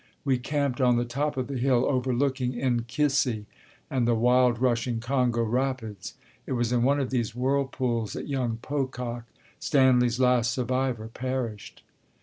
We camped on the top of the hill overlooking N'Kissy and the wild rushing Congo Rapids. It was in one of these whirlpools that young Pocock, Stanley's last survivor, perished.